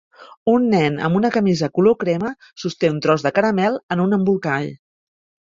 Un nen amb una camisa color crema sosté un tros de caramel en un embolcall.